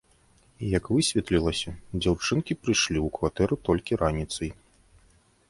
Як высветлілася, дзяўчынкі прыйшлі ў кватэру толькі раніцай.